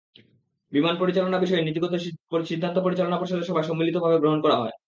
বিমান পরিচালনা বিষয়ে নীতিগত সিদ্ধান্ত পরিচালনা পর্ষদের সভায় সম্মিলিতভাবে গ্রহণ করা হয়।